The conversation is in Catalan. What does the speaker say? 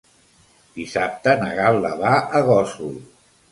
Dissabte na Gal·la va a Gósol.